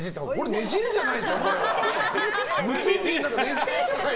ねじりじゃないでしょ！